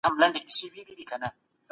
ډیپلوماټان څنګه په محکمه کي انصاف راولي؟